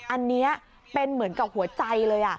อันนี้เป็นเหมือนกับหัวใจเลย